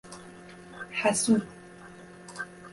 حسود